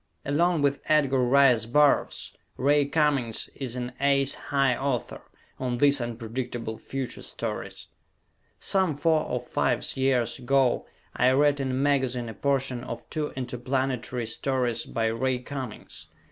Along with Edgar Rice Burroughs, Ray Cummings is an "ace high" author on these "unpredictable future" stories. Some four or fives years ago I read in a magazine a portion of two interplanetary stories by Ray Cummings.